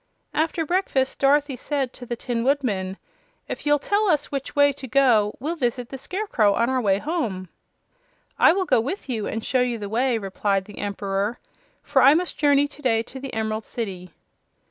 After breakfast Dorothy said to the Tin Woodman: "If you'll tell us which way to go we'll visit the Scarecrow on our way home." "I will go with you, and show you the way," replied the Emperor; "for I must journey to day to the Emerald City."